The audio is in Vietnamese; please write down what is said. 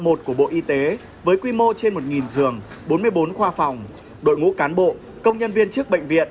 bệnh viện hạng một của bộ y tế với quy mô trên một giường bốn mươi bốn khoa phòng đội ngũ cán bộ công nhân viên trước bệnh viện